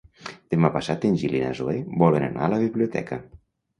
Demà passat en Gil i na Zoè volen anar a la biblioteca.